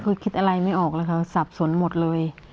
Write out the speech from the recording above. คือคิดอะไรไม่ออกเลยค่ะสับสนหมดเลย